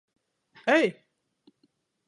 Ej!